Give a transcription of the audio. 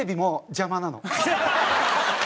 邪魔なの？